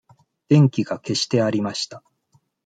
電気が消してありました。